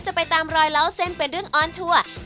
จะไปตามรอยเล่าเส้นเป็นเรื่องออนทัวร์